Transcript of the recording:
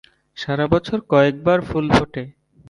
সারা বছর কয়েকবার ফুল ফোটে।